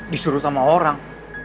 disuruh sama orang